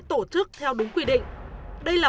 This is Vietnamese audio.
tổ chức theo đúng quy định đây là